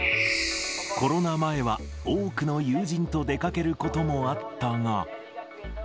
コロナ前は多くの友人と出かけることもあったが。